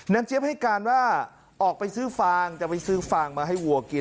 เจี๊ยบให้การว่าออกไปซื้อฟางจะไปซื้อฟางมาให้วัวกิน